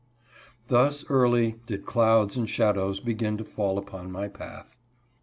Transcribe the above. Thus early did clouds and shadows begin to fall upon my path.